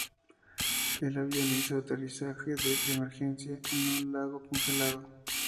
El avión hizo un aterrizaje de emergencia en un lago congelado.